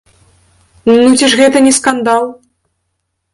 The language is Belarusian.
Ну ці ж гэта не скандал?!